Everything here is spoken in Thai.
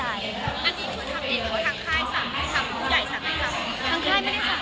มันเหมือนกับมันเหมือนกับมันเหมือนกับ